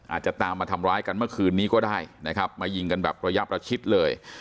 อาจจะตามมาทำร้ายกันเมื่อคืนนี้ก็ได้นะครับมายิงกันแบบระยะประชิดเลย